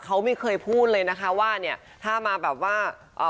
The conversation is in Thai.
เขาไม่เคยพูดเลยนะคะว่าเนี่ยถ้ามาแบบว่าเอ่อ